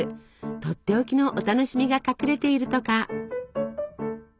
とっておきのお楽しみが隠れているとか。